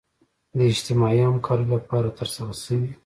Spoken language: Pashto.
د اجتماعي همکاریو لپاره ترسره شوي.